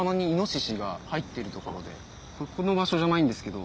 この場所じゃないんですけど。